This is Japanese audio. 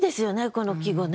この季語ね。